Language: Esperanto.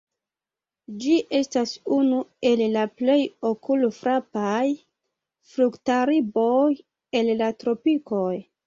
Ĝi estas unu el la plej okulfrapaj fruktarboj el la tropikoj.